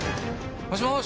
もしもし？